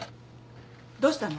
どうしたの？